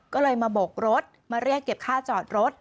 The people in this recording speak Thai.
ก็เลยมาโบกรถมาเรียกเก็บค่าจอดรถ